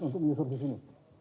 untuk menyusur di sini